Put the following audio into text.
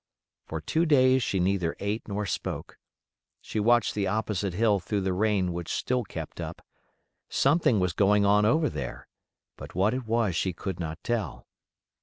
For two days she neither ate nor spoke. She watched the opposite hill through the rain which still kept up—something was going on over there, but what it was she could not tell.